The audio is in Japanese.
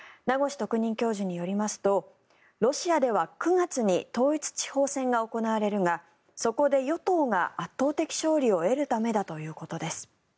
特任教授によりますとロシアでは９月に統一地方選が行われるがそこで与党が圧倒的勝利を得るためだということです。